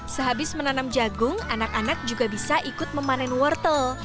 sehabis menanam jagung anak anak juga bisa ikut memanen wortel